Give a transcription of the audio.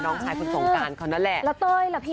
น้องชายคุณสงการเขานั่นแหละแล้วเต้ยล่ะพี่